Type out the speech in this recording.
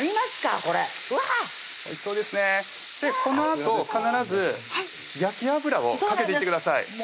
このあと必ず焼き油をかけていってください